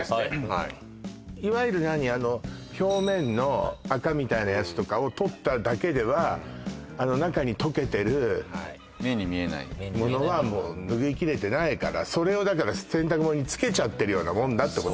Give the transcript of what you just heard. はいいわゆるなにあの表面の垢みたいなやつとかを取っただけではあの中に溶けてる目に見えないものはもう拭いきれてないからそれをだから洗濯物につけちゃってるようなものだってことね